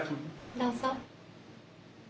どうぞ。